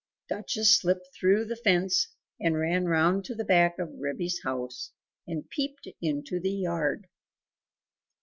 Duchess slipped through the fence, and ran round to the back of Ribby's house, and peeped into the yard.